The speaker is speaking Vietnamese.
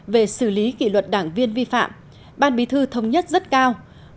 về xử lý kỷ luật đảng viên vi phạm ban bí thư thống nhất rất cao